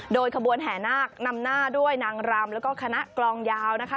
โดยขบวนแห่นาคนำหน้าด้วยนางรำแล้วก็คณะกลองยาวนะคะ